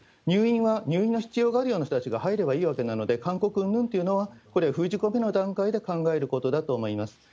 入院は入院が必要である人が入ればいいことなのですが、勧告うんぬんというのは、これは封じ込めの段階で考えることだと思います。